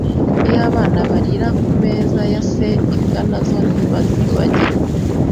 Iyo abana barira ku meza ya se, imbwa nazo ntibazibagirwa.